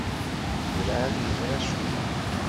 Werɛad yeẓri acemma.